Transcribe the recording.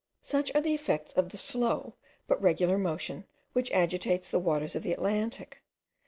Such are the effects of the slow but regular motion which agitates the waters of the Atlantic.